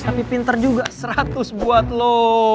kami pinter juga seratus buat lo